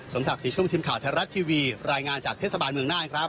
สมสักสี่ช่วงทีมข่าวธรรรถทีวีรายงานจากเทศบาลเมืองหน้านะครับ